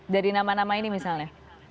dari nama nama ini misalnya